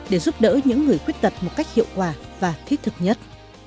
để giúp đỡ những người khuyết tật một cách hiệu quả và thiết thực nhất